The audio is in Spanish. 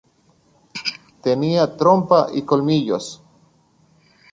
Tenía trompa y colmillos.